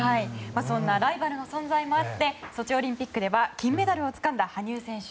そんなライバルの存在もあってソチオリンピックでは金メダルをつかんだ羽生選手。